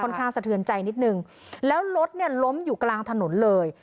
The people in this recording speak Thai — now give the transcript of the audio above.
ข้างสะเทือนใจนิดนึงแล้วรถเนี่ยล้มอยู่กลางถนนเลย